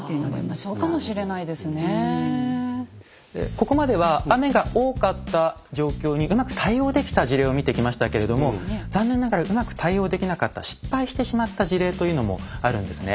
ここまでは雨が多かった状況にうまく対応できた事例を見てきましたけれども残念ながらうまく対応できなかった失敗してしまった事例というのもあるんですね。